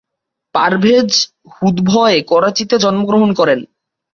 পারভেজ হুদভয় করাচিতে জন্মগ্রহণ করেন।